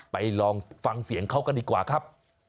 ลองฟังเสียงเขากันดีกว่าครับ